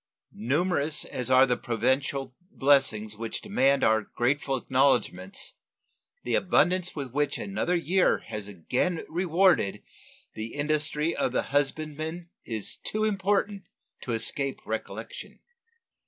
Numerous as are the providential blessings which demand our grateful acknowledgments, the abundance with which another year has again rewarded the industry of the husbandman is too important to escape recollection.